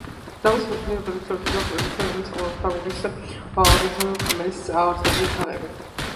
დარბაზის გრძივ კედლებზე ორსაფეხურიანი პილასტრებია, რომლებსაც ეყრდნობა აგურის ცილინდრული კამარის საბჯენი თაღები.